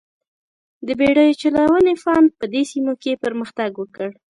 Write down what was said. د بېړیو چلونې فن په دې سیمو کې پرمختګ وکړ.